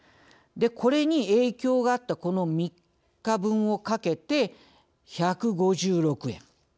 これに影響があったこの３日分をかけて１５６円。